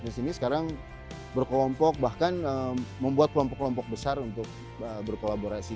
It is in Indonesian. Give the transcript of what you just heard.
dan berjalan ke sini sekarang berkelompok bahkan membuat kelompok kelompok besar untuk berkolaborasi